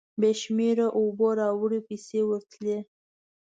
بې شمېرې اوبو راوړې پیسې ورتلې.